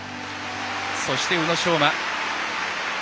そして宇野昌磨。